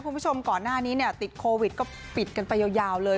คุณผู้ชมก่อนหน้านี้เนี่ยติดโควิดก็ปิดกันไปยาวเลย